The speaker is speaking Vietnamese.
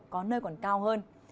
có nơi còn cao hơn